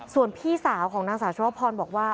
ส่วนพี่สาวของนางสาวชวพรบอกว่า